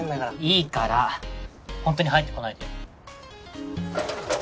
いいからホントに入ってこないでよ。